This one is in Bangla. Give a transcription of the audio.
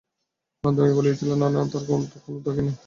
আনন্দময়ী বলিয়াছিলেন, না না, তার তো কোনো দরকার দেখি নে।